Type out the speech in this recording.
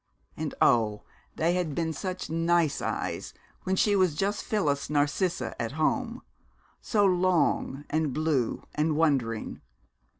And oh, they had been such nice eyes when she was just Phyllis Narcissa at home, so long and blue and wondering!